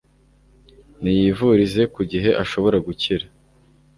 niyivurize ku gihe ashobora gukira